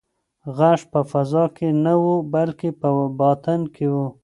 غږ په فضا کې نه و بلکې په باطن کې و.